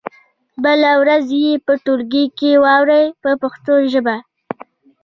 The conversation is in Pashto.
بله ورځ یې په ټولګي کې واورئ په پښتو ژبه.